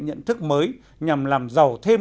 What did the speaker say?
nhận thức mới nhằm làm giàu thêm